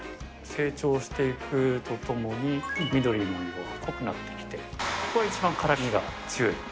成長していくとともに、緑の色が濃くなってきて、ここが一番辛みが強い。